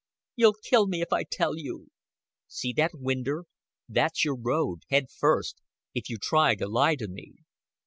"You'll kill me if I tell you." "See that winder! That's yer road head first if you try to lie to me."